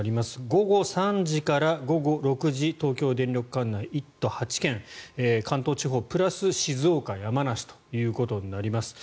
午後３時から午後６時東京電力管内１都８県関東地方プラス静岡山梨ということになります。